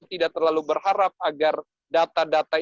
tidak terlalu berharap agar data data